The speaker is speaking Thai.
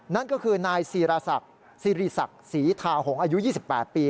นั่นก็คือนายสีราษักสีรีศักดิ์สีทาหงอายุ๒๘ปี